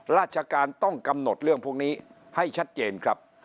ราชการต้องกำหนดเรื่องพวกนี้ให้ชัดเจนครับ